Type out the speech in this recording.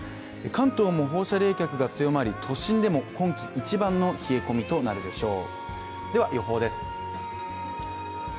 関東も歩車冷却が強まり、都心でも今季一番の冷え込みとなるでしょう。